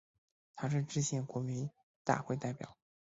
他是制宪国民大会代表。